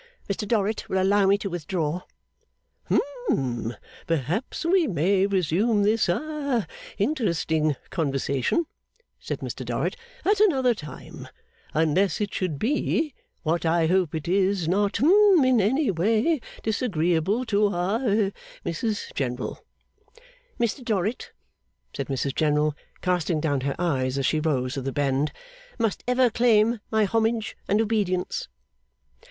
Mr Dorrit will allow me to withdraw.' 'Hum. Perhaps we may resume this ha interesting conversation,' said Mr Dorrit, 'at another time; unless it should be, what I hope it is not hum in any way disagreeable to ah Mrs General.' 'Mr Dorrit,' said Mrs General, casting down her eyes as she rose with a bend, 'must ever claim my homage and obedience.